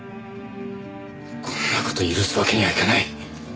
こんな事許すわけにはいかない。